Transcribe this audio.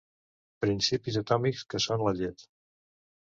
Principis atòmics que són la llet.